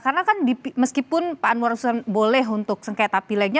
karena kan meskipun pak anwar usman boleh untuk sengketa pilegnya